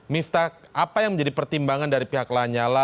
mifta apa yang menjadi pertimbangan dari pihak lanyala